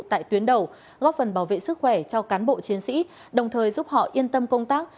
tại tuyến đầu góp phần bảo vệ sức khỏe cho cán bộ chiến sĩ đồng thời giúp họ yên tâm công tác